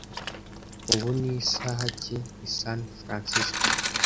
Ubu ni isaha ki i San Francisco?